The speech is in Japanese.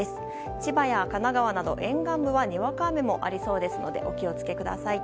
千葉や神奈川など沿岸部はにわか雨もありそうですのでお気を付けください。